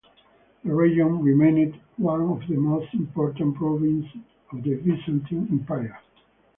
The region remained one of the most important provinces of the Byzantine Empire.